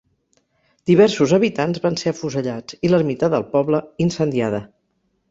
Diversos habitants van ser afusellats i l'ermita del poble, incendiada.